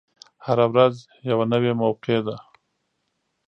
هره ورځ یوه نوی موقع ده.